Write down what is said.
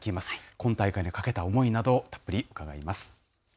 今大会にかけた思いなど、たっぷり伺います。